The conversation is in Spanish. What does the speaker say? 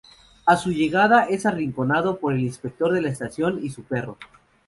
A su llegada, es arrinconado por el inspector de la estación y su perro.